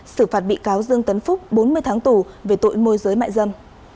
xử phạt bị cáo dương tấn phúc bốn mươi tháng tù về tội môi giới mại dâm